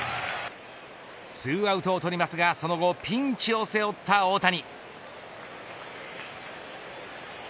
２アウトをとりますがその後ピンチを背負った大谷。